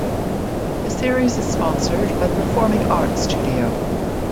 The series is sponsored by the Performing Arts Studio.